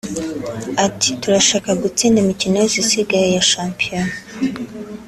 Ati “Turashaka gutsinda imikino yose isigaye ya sshampiyona